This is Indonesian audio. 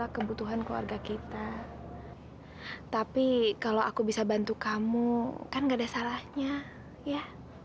kebutuhan keluarga kita tapi kalau aku bisa bantu kamu kan nggak ada salahnya ya